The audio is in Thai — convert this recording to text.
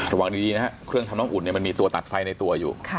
ระวังดีนะฮะเครื่องทำน้ำอุ่นมันมีตัวตัดไฟในตัวอยู่